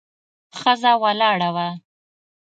ښځه ولاړه وه.